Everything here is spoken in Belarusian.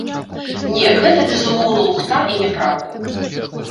Не, гэта безумоўна лухта і няпраўда.